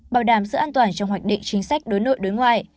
bảo đảm sự an toàn trong hoạch định chính sách đối nội đối ngoại